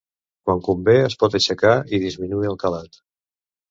Quan convé es pot aixecar i disminuir el calat.